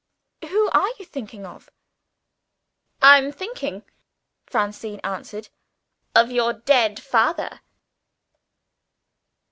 "Who are you thinking of?" "I am thinking," Francine answered, "of your dead father."